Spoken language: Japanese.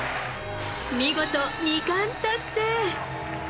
見事、２冠達成。